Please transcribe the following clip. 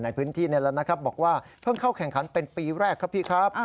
นี่แหละนะครับบอกว่าเพิ่งเข้าแข่งขันเป็นปีแรกครับพี่ครับ